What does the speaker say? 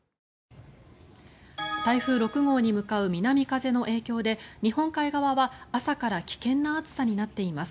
台風６号に向かう南風の影響で日本海側は朝から危険な暑さになっています。